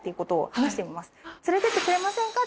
連れてってくれませんか？